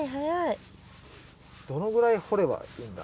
どのぐらい掘ればいいんだ？